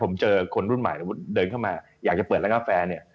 ผมเจอคนรุ่นใหม่สมมุติเดินเข้ามาอยากจะเปิดร้านกาแฟเนี่ย